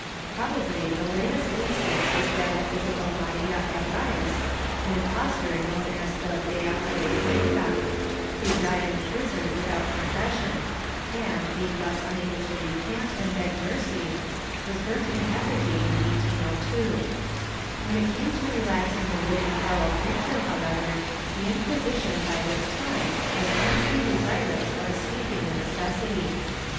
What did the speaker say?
^ Probably the latest instance was that of Isabel Maria Herraiz, an impostor known as the Beata de Cuenca, who died in prison without con fession and, being thus unable to recant and beg mercy, was burnt in effigy in 1802.^ When it came to relaxing a living fellow creature, however, the Inquisition by this time was honestly desirous of escaping the necessity.